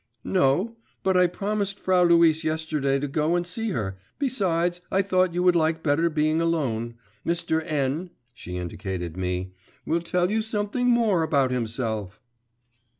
'No; but I promised Frau Luise yesterday to go and see her; besides, I thought you would like better being alone. Mr. N. (she indicated me) will tell you something more about himself.